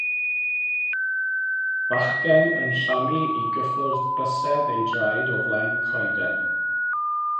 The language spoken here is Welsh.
Bachgen yn llamu i gyffwrdd bysedd ei draed o flaen coeden.